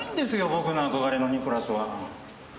僕の憧れのニコラスは。